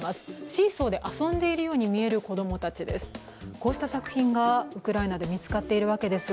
シーソーで遊んでいるように見える子供たちです。